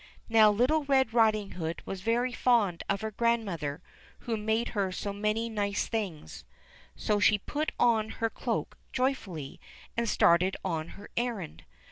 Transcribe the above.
Now little Red Riding Hood was very fond of her grand mother who made her so many nice things, so she put on her cloak joyfully and started on her errand.